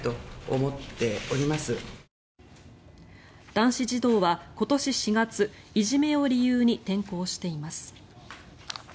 男子児童は今年４月いじめを理由に転校しています。